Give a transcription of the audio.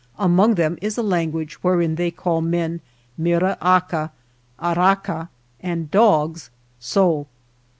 Among them is a language wherein they call men mira aca, arraca, and dogs xo.